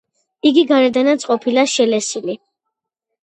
იგი გარედანაც ყოფილა შელესილი.